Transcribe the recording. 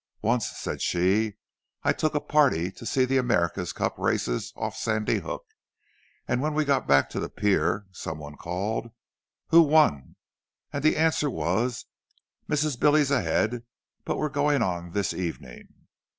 "Once," said she, "I took a party to see the America's Cup races off Sandy Hook; and when we got back to the pier, some one called, 'Who won?' And the answer was, 'Mrs. Billy's ahead, but we're going on this evening.